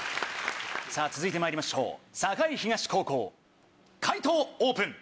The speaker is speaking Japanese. さぁ続いてまいりましょう栄東高校解答オープン。